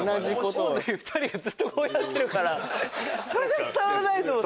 オードリー２人がずっとこうやってるからそれじゃ伝わらない！と思って。